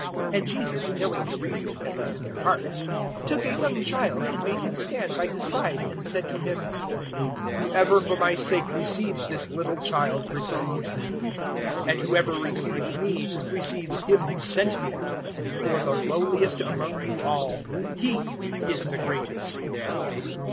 009:047 And Jesus, knowing the reasoning that was in their hearts, took a young child and made him stand by His side 009:048 and said to them, "Whoever for my sake receives this little child, receives me; and whoever receives me, receives Him who sent me. For the lowliest among you all he is the greatest."